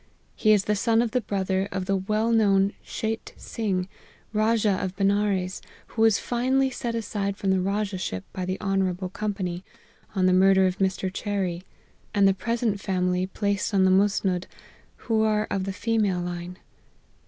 He is son of the brother of the well known Cheyt Sing, Rajah of Benares, who was finally set aside from the rajah ship by the Honourable Company, on the murder of Mr. Cherry, and the present family placed on the musnud, who are of the female line.